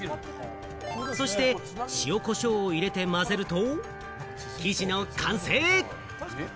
そして、塩、コショウを入れて混ぜると、生地の完成！